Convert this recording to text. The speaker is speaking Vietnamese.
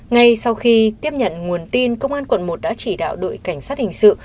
ngay sau khi tiếp nhận nguồn tin công an quận một đã chỉ đạo đội cảnh sát hình sự